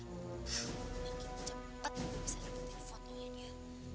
lagi cepet gue bisa dapetin fotonya dia